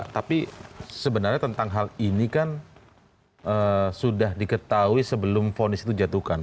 tapi sebenarnya tentang hal ini kan sudah diketahui sebelum vonis itu jatuhkan